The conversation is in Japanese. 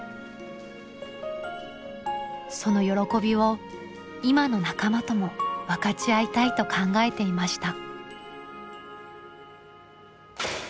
その喜びを今の仲間とも分かち合いたいと考えていました。